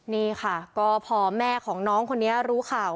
นี่ค่ะก็พอแม่ของน้องคนนี้รู้ข่าว